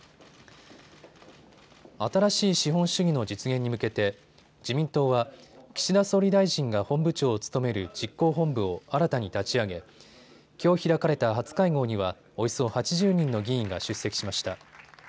新しい資本主義の実現に向けて自民党は岸田総理大臣が本部長を務める実行本部を新たに立ち上げきょう開かれた初会合にはおよそ８０人の議員が出席しました。